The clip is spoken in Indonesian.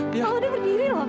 papa udah berdiri loh